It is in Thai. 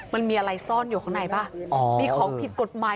มันมีอะไรซ่อนอยู่ข้างในป่ะมีของผิดกฎหมาย